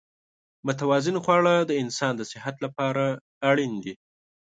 متوازن خواړه د انسان د صحت لپاره اړین دي.